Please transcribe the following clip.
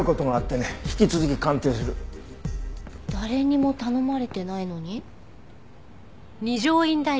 誰にも頼まれてないのに？